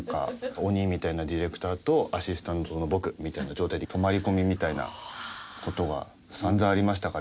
鬼みたいなディレクターとアシスタントの僕みたいな状態で泊まり込みみたいな事が散々ありましたから。